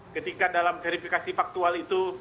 ketika dalam verifikasi faktual itu